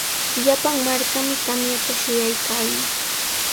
Llapan markami tamyata shuyaykaayan.